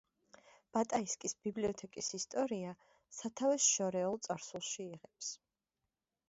ბატაისკის ბიბლიოთეკის ისტორია სათავეს შორეულ წარსულში იღებს.